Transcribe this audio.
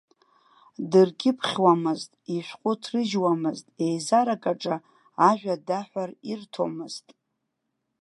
Дыркьыԥхьуамызт, ишәҟәы ҭрыжьуамызт, еизарак аҿы ажәа даҳәар, ирҭомызт.